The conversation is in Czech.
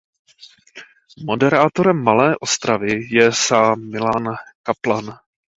Moderátorem Malé Ostravy je sám Milan Kaplan.